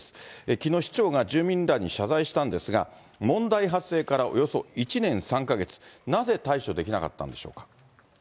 きのう、市長が住民らに謝罪したんですが、問題発生からおよそ１年３か月、なぜ対処できなかったんでしょうか。